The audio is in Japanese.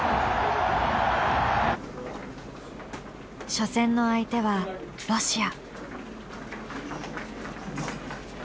初戦の相手はロシア。